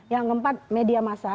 yang keempat media massa